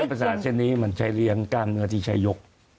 เส้นประสาทเช่นนี้มันใช้เลี้ยงกล้ามเนื้อที่ใช้ยก